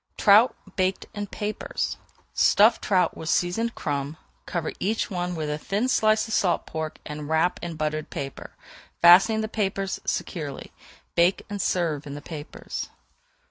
TROUT BAKED IN PAPERS Stuff trout with seasoned crumbs, cover each one with a thin slice of salt pork, and wrap in buttered paper, fastening the papers securely; bake and serve in the papers.